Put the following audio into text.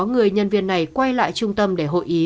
sáu người nhân viên này quay lại trung tâm để hội ý